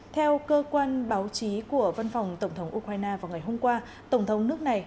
theo cơ quan báo chí của văn phòng tổng thống ukraine vào ngày hôm qua tổng thống nước này